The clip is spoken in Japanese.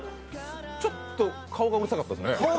ちょっと、顔がうるさかったですね